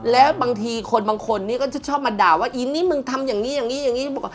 แล้วบางทีคนบางคนนี้ก็จะชอบมาด่าว่าอี้นี่มึงทำอย่างนี้